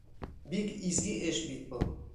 Бик изге эш бит был!